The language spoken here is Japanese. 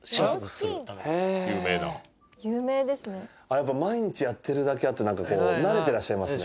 やっぱ毎日やってるだけあって慣れてらっしゃいますね。